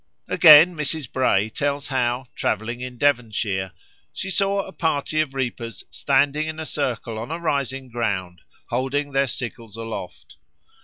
Again, Mrs. Bray tells how, travelling in Devonshire, "she saw a party of reapers standing in a circle on a rising ground, holding their sickles aloft.